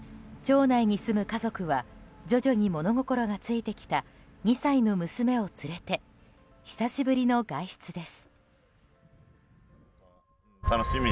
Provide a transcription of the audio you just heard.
町内に住む家族は徐々に物心がついてきた２歳の娘を連れて久しぶりの外出です。